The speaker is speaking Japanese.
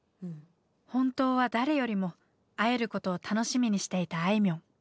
本当は誰よりも会えることを楽しみにしていたあいみょん。